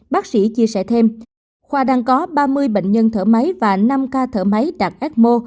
bác sĩ chia sẻ thêm khoa đang có ba mươi bệnh nhân thở máy và năm ca thở máy đạt ecmo